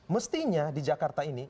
mestinya di jakarta ini